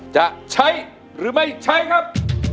จะใช้หรือไม่ใช้ครับ